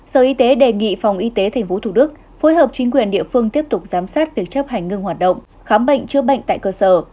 sở y tế đề nghị phòng y tế tp thủ đức phối hợp chính quyền địa phương tiếp tục giám sát việc chấp hành ngưng hoạt động khám bệnh chữa bệnh tại cơ sở